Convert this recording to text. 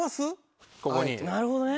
なるほどね。